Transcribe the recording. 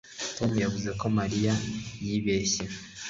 Tom yavuze ko Mariya yibeshye